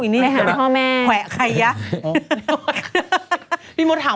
อันนี้กลับจริง